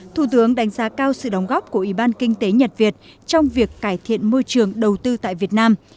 thủ tướng đánh giá cao sự đóng góp của ủy ban kinh tế nhật việt trong việc cải thiện môi trường đầu tư tại việt nam